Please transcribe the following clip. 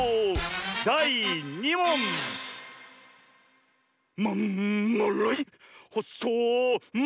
だい２もん！